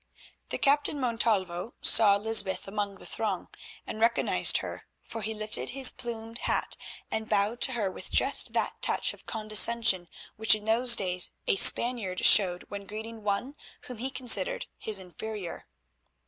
The Captain Montalvo saw Lysbeth among the throng and recognised her, for he lifted his plumed hat and bowed to her with just that touch of condescension which in those days a Spaniard showed when greeting one whom he considered his inferior.